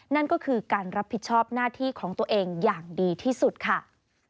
นั่นก็คือการรับผิดชอบหน้าที่ของตัวเองอย่างดีที่สุดค่ะ